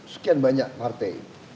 sekian banyak partai